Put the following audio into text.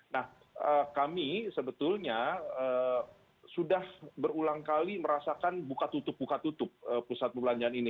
nah kami sebetulnya sudah berulang kali merasakan buka tutup buka tutup pusat perbelanjaan ini